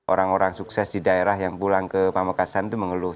orang orang sukses di daerah yang pulang ke pamekasan itu mengeluh